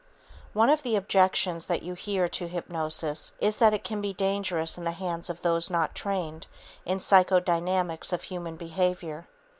One of the objections that you hear to hypnosis is that it can be dangerous in the hands of those not trained in the psychodynamics of human behavior.